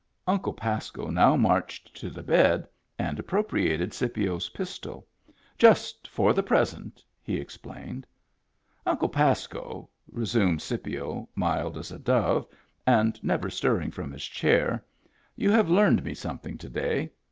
Uncle Pasco now marched to the bed, and ap propriated Scipio's pistol. " Just for the present," he explained. " Uncle Pasco," resumed Scipio, mild as a dove, and never stirring from his chair, " you have learned me something to day.